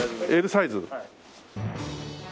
Ｌサイズ。